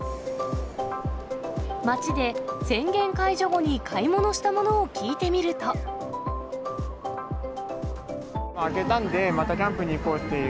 街で宣言解除後に買い物した明けたんで、またキャンプに行こうっていう。